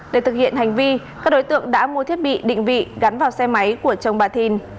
để thực hiện hành vi các đối tượng đã mua thiết bị định vị gắn vào xe máy của chồng bà thìn